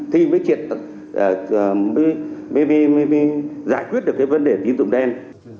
thì mới triệt quyết được cái vấn đề tín dụng đen